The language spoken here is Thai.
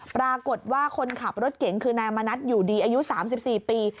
ปรากฏว่าคนขับรถเก๋งคือนายมณัฐอยู่ดีอายุ๓๔ปี